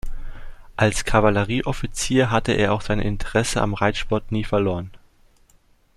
Als Kavallerieoffizier hatte er auch sein Interesse am Reitsport nie verloren.